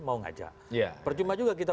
mau ngajak percuma juga kita